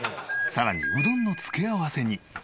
さらにうどんの付け合わせに。